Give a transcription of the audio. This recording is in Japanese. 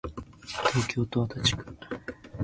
東京都足立区